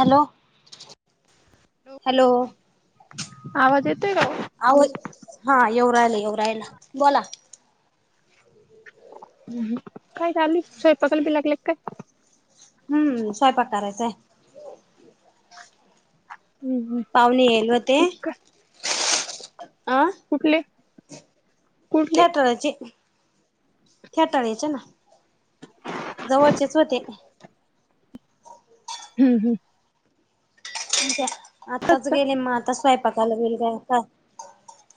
Hello hello. आवाज येतोय कावो आवा हां येऊ रायला येऊ रायला बोला हम्म काय चालूय स्वयंपाकाला बी लागलाय काय? हम्म स्वयपाक कराचाय. [inaudible] पावणे एल व्हते का आं कुठले? कुठले थेटराचे खेटाळ्याचे ना जवळचेच होतें. हम्म. आताच गेले मा आता स्वयंपाकाला [unintelligible]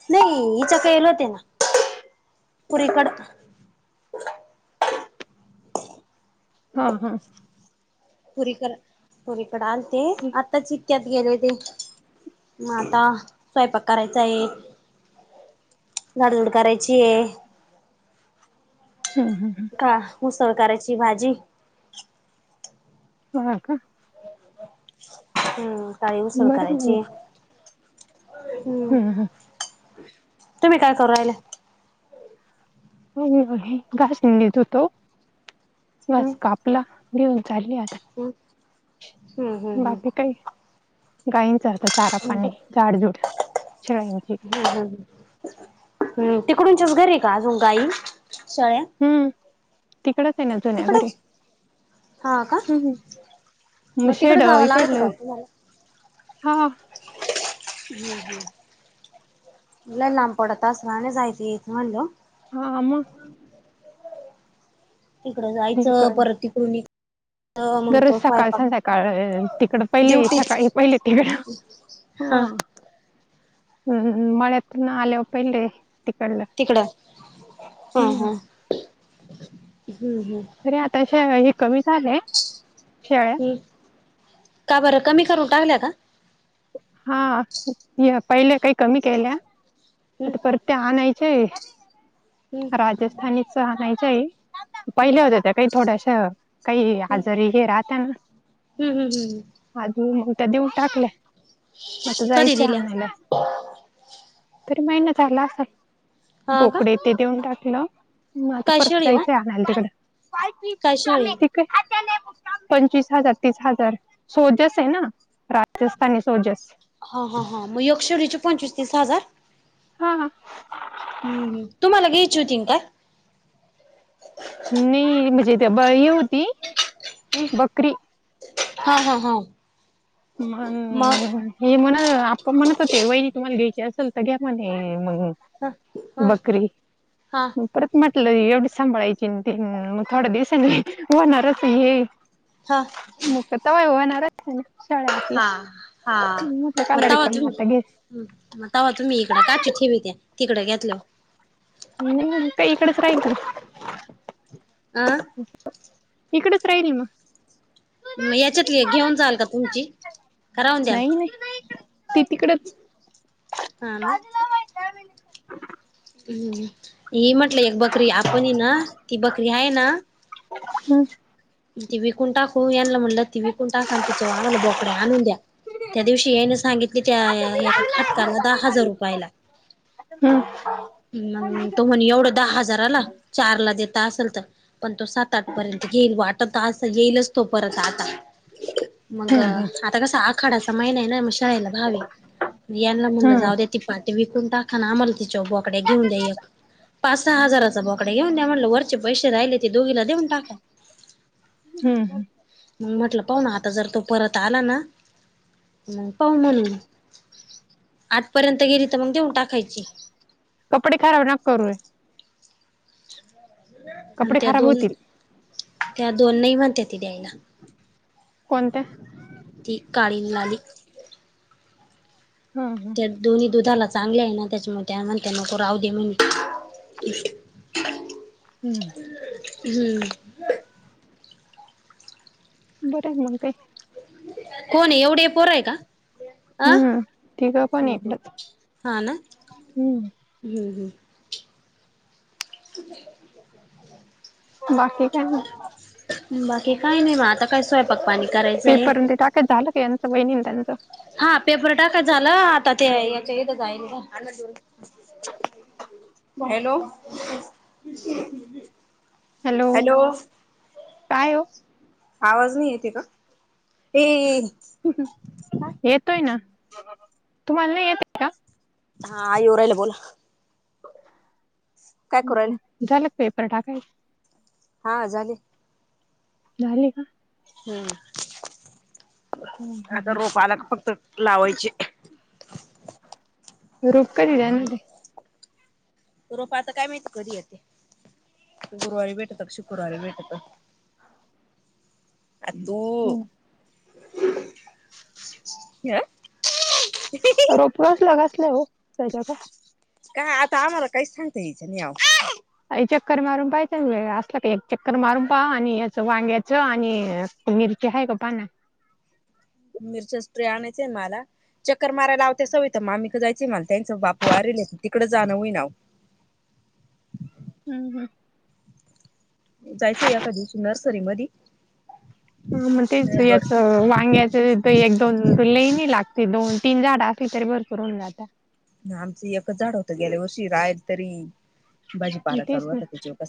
नई हिचा कडे येल होते ना. पुरीकड. हा हा. पुरी कड पुरी कडे आलते आताचीत क्यात गेले ते म आता स्वयपाक करायचा आहे. झाडझूड करायची आहे. हम्म हम्म हम्म. का हूसळ करायची भाजी हो का. हम्म काळी ऊसळ बर करायचीय. हम्म हम्म. तुम्ही काय कर रायला हो घास निंदेत होतो हम्म घास कापला देऊन चालली आता हम्म हम्म हम्म बाकी काही गाईींच आता चारा हम्म पाणी झाडजूड शेळाईंची हम्म हम्म. हम्म तिकडूनच्याच घरी हाय का अजून का आई? हम्म तिकडचं हाय ना जुन्या घरी. तिकडच हा का हम् म मग शेड तिकडे जावं लागत इकडलं का तुम्हाला हा हम् हम् ल लांबपटात असलाने जायच येत म्हणलं हा आम तिकडं जायचं परत तिकडून इकडं मग गरज तो सकाळ स्वयंपाक संधायकाळ तिकड पहिले ड्युटीच सका पहिले तिकडं हा हम्म मत ना आलेव पले तिकडं हा हम्म. हा हम्म हम्म अरे आता श ह कमी झालंय शेळ ह् का बरं कमी करून टाकल्या का हा या पहिल्या काही कमी केल्या हम्म आता पर ते आणायचे आहे हम्म राजस्थानीच आणायचं आहे हम्म पहिले होत त्या काही थोडस काही आजारी हे राहत ना हम् हम् हम् ह अजून त्या देऊन टाकलं म कधी जायच दिल्या आमला त महिन झालाल हा का बोकडे ते देऊन टाकलं मग आता परत कायशाळी हो जायचंय आमला कायशाळी तिकडं ू म पंचवीस हजार तीस हजार सोजस आहे नास पनी सोजेस हा हा हां मग यक्षरीचे पंचवीस तीस हजार हा हम् तुम्हाला घे शूटिंग काय नाही म्हणजेथ बा ह होती ह बकरी हा हा हा मग हम हे म्हण आप म्हणत होते वहिणी तुम्हाला घ्यायची असेल तर घ्या म्हणे मग ह ह बकरी हा परत म्हटलं एवढी सांभाळायची ते मग थोड्या दिवसांनी होणारच हे हां मक तय येवणारच शाळा आपल्या हा हा म्हटलं काला बताव रिकामी तुम आता घे मगतावा तुम्ही इकडं काची ठेवीित तिकडे घेतलं निम काकडेसरा यत आं इकडेच राहिली म मग याच्यात घेऊन जाचाल का तुमची करावून द्याल ते तिकडेच हा ना हम्म ही म्हटलं एक बकरी आपण ना ती बकरी आहे ना हम् ती विकून टाकू याला म्हटलं ती विकून टाका तिच्यावर आम्हाला बोकड्या आणून द्या त्या दिवशी यान सांगितली आता मी त्या लावणार खटकाला आता दहा मी हजार लावीतो. रुपयाला हम्म, मग तो म्हणे, एवढं दहा हजाराला! चार ला देता असेल, तर पण तो सात आठ पर्यंत घेईल वाट असं येईलच तो परत आता मग हम्म हम्म आता कस आखाडाचा महिना आहे ना मग शराळेला भावे यांना म्हणलं जाऊ द्या त ते विकून टाका, ना आम्हाला तिच्या बोकड्या घेऊन द्या, एक, पाच सहा हजाराचा बोकड्या घेऊन द्या म्हट वर, चे पैसे राहिले ते, दोघीला देऊन टाका हम्, मग म्हटलं पाहूना आता जर तो परत आला ना, मग पाह म्हणून, आठपर्यंत गेली, तर मग देऊन टाकायची. कपडे खराब ना करु, आणि कपडे त्या, खराब दोन होतील त्या दोन नाही म्हणत ती द्यायला! कोणत्या? ती काळी, लाली हा, हा, त्या दोन्ही दुधाला चांगले आहे ना, त्याच्यामुळे म्हणते नको राह दे म्हण. [unintelligible] हम्म, हम्म, बरं मग काय, कोण आहे, एवढी पोर आहे का? अ, हम्म तिघं पण इकडंच हाना. हम्म हम हम, [unintelligible] बाकी काय नाही. बाकी काय नाही म आता, काय स्वयंपाक पाणी करायचं आहे. पेपर ते टाेक, झाल, यांच बहीणी त्यांचं, हा पेपर टाका झाला, आता ते याच्या इथ जाईल. हॅलो, हॅलो [unintelligible] काय हो आवाज नाहीयेत आहे का? येतोय ना, तुम्हाला नाही येतय का? हा एऊ राहले, बोलला. करू राहिला झालं पेपर टाकायच? हा झाले, झाले का, हम्म, हम्म, हम्म, आता हम्म. रोपाला फक्त लावायचे. रुप कधी देणार आहे रोप आता काय माहिती कधी येते, गुरुवारी भेटत क शुक्रवारी भेटत. [unintelligible] आ तू, हम्म. ह [unintelligible] [unintelligible] घासलंय घासले, हो त्याच्या का, का आता आम्हाला काहीच, सांगते याचं नि आवं. चक्कर मारून पाहायच असलं, का एक चक्कर मारून पाहा आणि याच वांग्याच आणि, मिरची हाय, का पहा ना. मिरच्या सेपर्य, आणायचंय मला. चक्कर मारयला आव त्या सविता मामी कड जायच मला त्यांचं बाप वारेल तिकडें जाणं होईना आव. हम् हम जायचंय एका दिवशी नर्सरी मध हा मग तेच याच वांग्या एक दोन लेणी लागते दोन तीन झाड असली तरी बर करून जातात आमचं ए झाड होतं गेल्या, वर्षी राहिल तरी, हम भाजीपाला तेच चालू तर, होता त्याच्यावर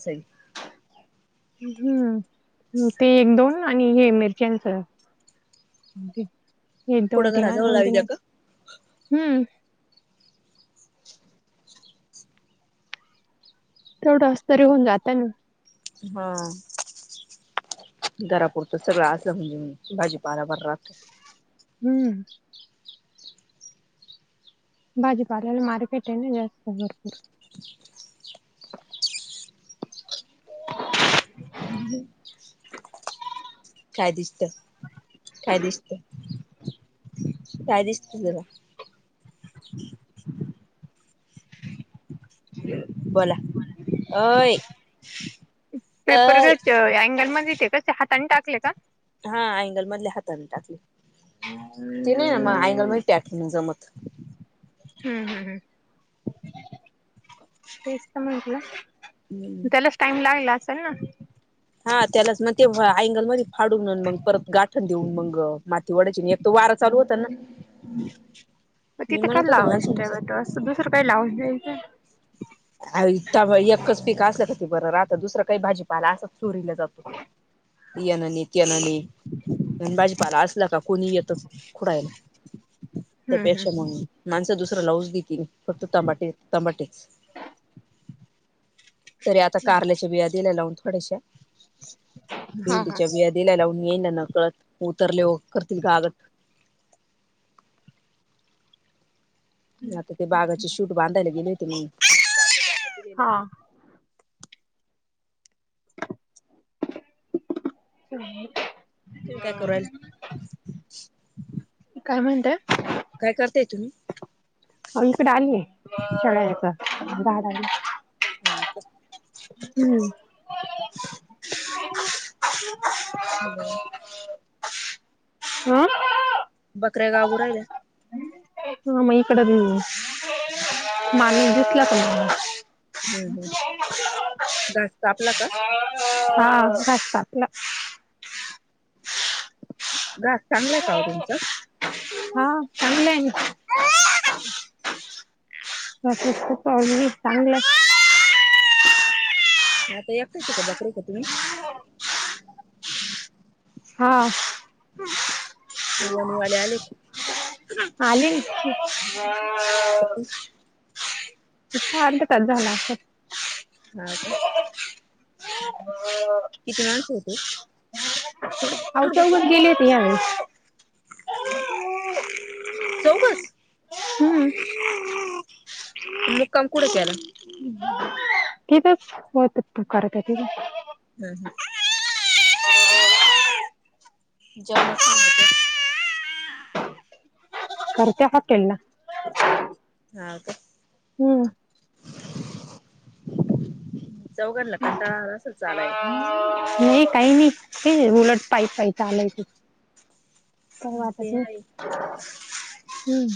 [unintelligible] हम्म ते एक दोन, आणि हे मिरच्याचं. कुठं घराजवळ एकदोदनाोद, लावीत्या का? हम्म. तेवढं अस्तरी होऊन जाता ना. हा घरापुरतं सगळं असलं म्हणजे भाजीपाला बार राहत. [inaudible] भाजीपाल्याला मार्केट आहे ना जास्त भरपूर. [inaudible] काय दिसत काय दिसत काय दिसत तुला. ह बोला अय [unintelligible] पेपर अय घच अँगल मध्ये तेे का हातानी टाकले का. हा अँंगल मधल्या हाताने टाकले ते नाही ना हम्म मग अँंगल म टाकवणे जमत. हम्म हम्म हम्. तेच तर म्हटलं त्यालाच टाइम लागला असेल ना. हा त्यालाच मग ते अँंगल म फाडून मग परत गाठण देऊन मग. मती वाढायची एक त वार लू होता ना. मग मी तिथे काय म्हणत होते लावाच माणसांचं टम्यतो असं दुसरं काही लाव नाही का एकच पिक असलं का त बर रा आता दुसरं काही भाजी पाला अस चोरीला जात. यनी ने त्यानं ने. भाजीपाला असल का कोणी येतं खुडयला. हम् हम्. मग माणसं दुसरा लावज देतील फक्त तंबाटे तंबाटेच. तरी आता कारल्याच्या बिया दिल्या लावून थोडेश हा हा भिंडीच्या बिया, दिला लावून येईना नकळत उतरले करतील गागाट. आता ते बागाची शूट बांधायला गेले होती मी. हा हो् तुम् काय करु राहील्या. काय म्हणतेय. काय करताय तुम्ही. आव इक डाली आहे चड दहा डाली. ह का हम्म ह [inaudible] [unintelligible] ह बकरे गागुराये ह मग इकड दि माने घेतला त मला हम् हम जास्त आपला हा घस्त आपलं घास चांगलाय का हो तुमचा चगले खप मी चांगलंय. आता एकटयच का बकरे का तुम्ही. हा. वणीवाले आले का आले. ांत काच झाला असाल. ह का. ह ह. किती माणस होते थड अहो थोड चौघच गेले होते यावेळेस चौघस हम्म मुकाम कुडचयला ठीकच होू करत आहे ठीक आहे [inaudible] हो जेवण खे करते हाकल ना हा का चौघडला कंटा अस चालायला नाही काही नाही उलट पाई पाई आलाय तर वाता ते आहे. हम्म.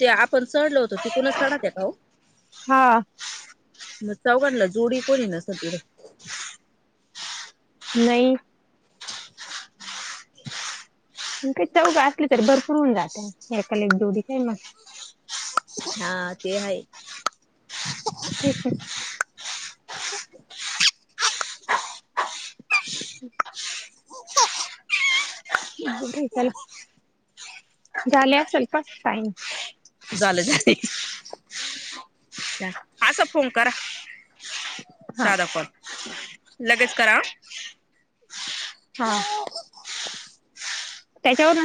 ते आपण चढलो होतो त कुणाच चढात आहे का हो हा मग चौघांला जोडी कोणी ना सगड नाही का चौघ असलं तरी भरपूर होऊन जाते एकाला एक डोरी नाही मग [inaudible] [inaudible] [unintelligible] [unintelligible] [unintelligible] झालं झाले असं फोन करा हा साधा कोण लगेच करा हा त्याच्यावर